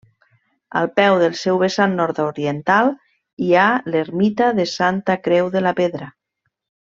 Al peu del seu vessant nord-oriental hi ha l'ermita de Santa Creu de la Pedra.